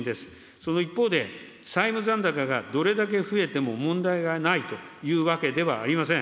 その一方で、債務残高がどれだけ増えても問題がないというわけではありません。